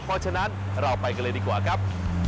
เพราะฉะนั้นเราไปกันเลยดีกว่าครับ